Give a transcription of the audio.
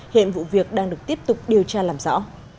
hiện vụ việc đang được tiếp tục điều tra làm rõ